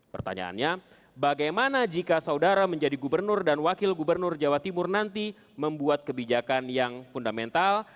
pertanyaannya bagaimana jika saudara menjadi gubernur dan wakil gubernur jawa timur nanti membuat kebijakan yang fundamental